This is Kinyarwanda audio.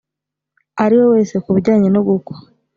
ariwe wese ku bijyanye nogukwa